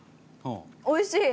おいしい。